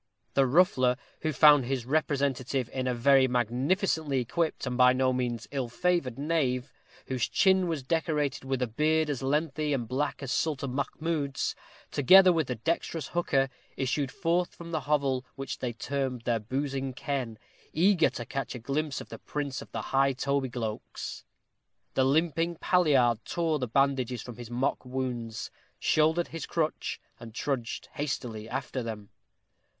The ruffler, who found his representative in a very magnificently equipped, and by no means ill favored knave, whose chin was decorated with a beard as lengthy and as black as Sultan Mahmoud's, together with the dexterous hooker, issued forth from the hovel which they termed their boozing ken, eager to catch a glimpse of the prince of the high tobygloaks. The limping palliard tore the bandages from his mock wounds, shouldered his crutch, and trudged hastily after them.